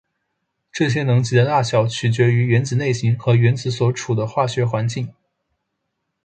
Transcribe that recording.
这些能级的大小取决于原子类型和原子所处的化学环境。